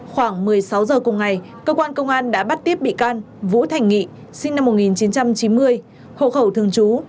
khoảng một mươi sáu h cùng ngày công an đã bắt tiếp bị can vũ thành nghị sinh năm một nghìn chín trăm chín mươi hộ khẩu thương chú